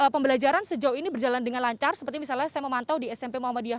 pembelajaran sejauh ini berjalan dengan lancar seperti misalnya saya memantau di smp muhammadiyah